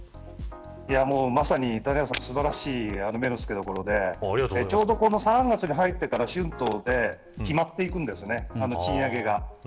まさに谷原さん素晴らしい目の付けどころでちょうど３月に入ってから春闘で決まっていくんですね賃上げが。